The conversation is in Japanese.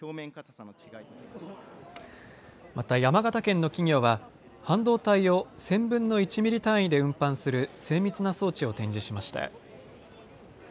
また山形県の企業は半導体を１０００分の１ミリ単位で運搬する精密な装置を展示しました。